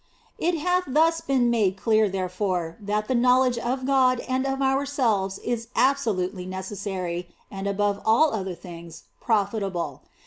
It hath thus been made clear, therefore, that the knowledge of God and of ourselves is absolutely necessary and above all other things profitable.